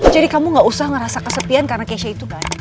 jadi kamu nggak usah ngerasa kesepian karena keisha itu kan